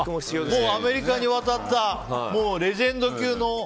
アメリカに渡ったレジェンド級の。